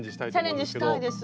チャレンジしたいです！